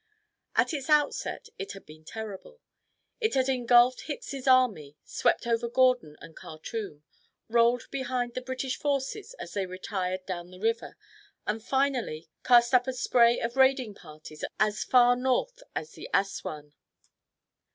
At its outset it had been terrible. It had engulfed Hicks's army, swept over Gordon and Khartoum, rolled behind the British forces as they retired down the river, and finally cast up a spray of raiding parties as far north as Assouan.